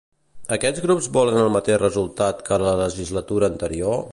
Aquests grups volen el mateix resultat que a la legislatura anterior?